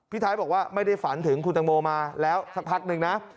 ท้ายบอกว่าไม่ได้ฝันถึงคุณตังโมมาแล้วสักพักนึงนะ